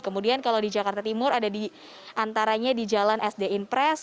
kemudian kalau di jakarta timur ada di antaranya di jalan sd inpres